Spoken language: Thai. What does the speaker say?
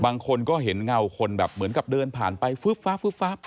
บางคนก็เห็นเงาคนแบบเหมือนกับเดินผ่านไปฟึ๊บฟ้า